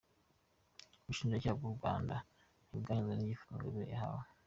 Ubushinjacyaha bw’u Rwanda ntibwanyuzwe n’igifungo Ingabire yahawe